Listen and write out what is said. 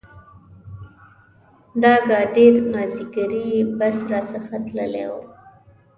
د اګادیر مازیګری بس را څخه تللی و.